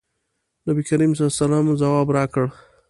نبي کریم صلی الله علیه وسلم ځواب راکړ.